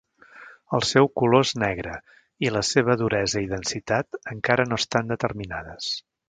El seu color és negre, i la seva duresa i densitat encara no estan determinades.